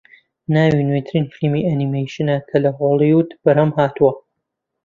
ناوی نوێترین فیلمی ئەنیمەیشنە کە لە هۆلیوود بەرهەمهاتووە